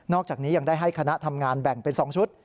อกจากนี้ยังได้ให้คณะทำงานแบ่งเป็น๒ชุด